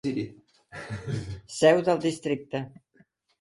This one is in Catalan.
Seu del districte: